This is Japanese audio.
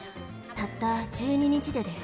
たった１２日でです。